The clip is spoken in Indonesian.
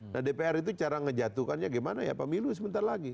nah dpr itu cara menjatuhkannya gimana ya pak milu sebentar lagi